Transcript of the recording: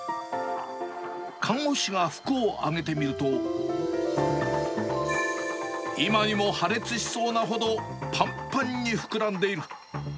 看護師が服を上げてみると、今にも破裂しそうなほど、ぱんぱんに膨らんでいる。